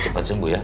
cepat sembuh ya